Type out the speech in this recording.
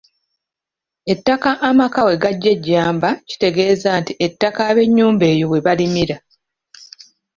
Ettaka amaka we gaggya ejjamba ekitegeeza nti ettaka ab'ennyumba eyo we balimira.